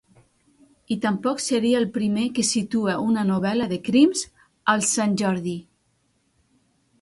I tampoc seria el primer que situa una novel·la de crims al Santjordi.